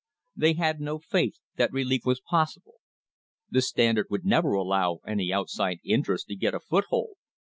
They had no faith that relief was possible. The Standard would never allow any outside interest to get a foothold.